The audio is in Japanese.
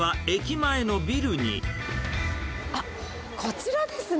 あっ、こちらですね。